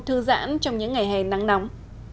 thư giãn trong những ngày hè nắng nóng